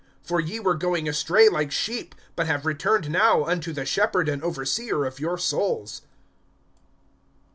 (25)For ye were going astray like sheep; but have returned now unto the Shepherd and Overseer of your souls.